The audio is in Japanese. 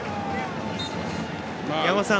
山本さん